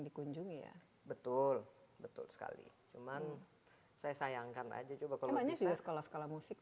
dikunjungi ya betul betul sekali cuman saya sayangkan aja coba kalau banyak sekolah sekolah musik